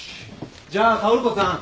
じゃあ薫子さん。